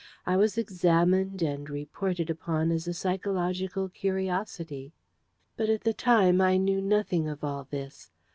I was examined and reported upon as a Psychological Curiosity. But at the time, I knew nothing of all this.